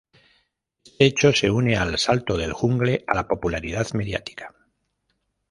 Este hecho se une al salto del jungle a la popularidad mediática.